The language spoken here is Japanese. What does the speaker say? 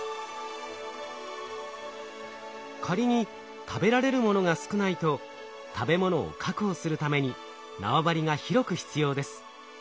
仮に食べられるものが少ないと食べ物を確保するために縄張りが広く必要です。